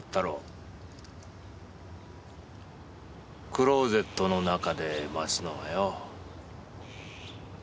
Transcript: クローゼットの中で待つのはよ。